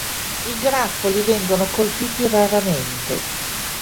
I grappoli vengono colpiti raramente.